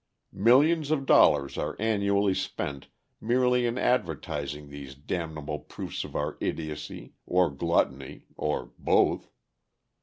Millions of dollars are annually spent merely in advertising these damnable proofs of our idiocy or gluttony, or both.